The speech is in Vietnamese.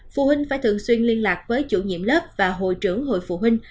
phụ huynh phải thường xuyên liên lạc với chủ nhiệm lớp và hội trưởng hội phụ huynh